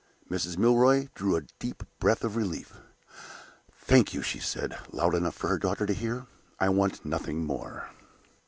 Mrs. Milroy drew a deep breath of relief. "Thank you," she said, loud enough for her daughter to hear. "I want nothing more."